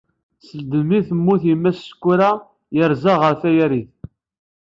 Seld mi temmut yemma-s Sekkura, yerza ɣer Tyaret.